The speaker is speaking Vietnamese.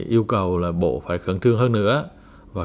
yêu cầu là bộ phải khẩn trương hơn nữa